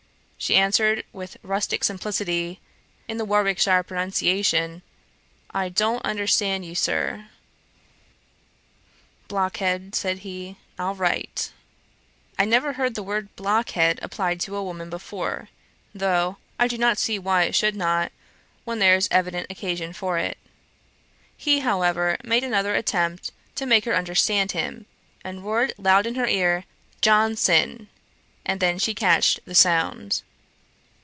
She answered with rustick simplicity, in the Warwickshire pronunciation, 'I don't understand you, Sir.' 'Blockhead, (said he,) I'll write.' I never heard the word blockhead applied to a woman before, though I do not see why it should not, when there is evident occasion for it. He, however, made another attempt to make her understand him, and roared loud in her ear, 'Johnson', and then she catched the sound.